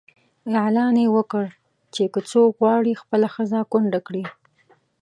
اعلان یې وکړ چې که څوک غواړي خپله ښځه کونډه کړي.